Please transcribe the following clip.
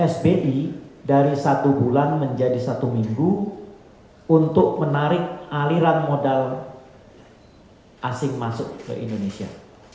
sbi dari satu bulan menjadi satu minggu untuk menarik aliran modal asing masuk ke indonesia